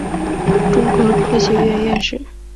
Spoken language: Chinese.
中国科学院院士。